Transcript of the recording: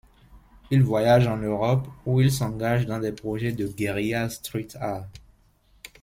Il voyage en Europe, où il s'engage dans des projets de guerrilla street art.